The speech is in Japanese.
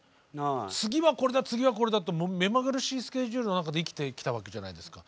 次はこれだ次はこれだって目まぐるしいスケジュールの中で生きてきたわけじゃないですか。